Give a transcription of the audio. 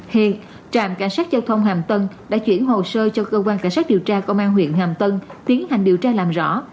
hiện trạm cảnh sát giao thông hàm tân đã chuyển hồ sơ cho cơ quan cảnh sát điều tra công an huyện hàm tân tiến hành điều tra làm rõ